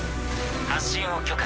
発進を許可。